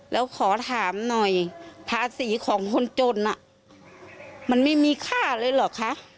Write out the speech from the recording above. แล้วขอถามหน่อยภาษีของคนจนมันไม่มีค่าเลยเหรอคะ